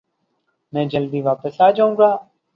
میں جلدی داپس آجاؤنگا ۔